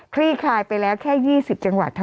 กรมป้องกันแล้วก็บรรเทาสาธารณภัยนะคะ